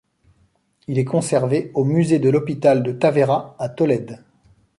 Il est conservé au musée de l'hôpital de Tavera à Tolède.